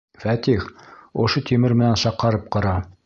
Фәтих, ошо тимер менән шаҡарып ҡара.